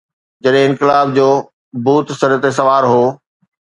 جڏهن انقلاب جو ڀوت سر تي سوار هو.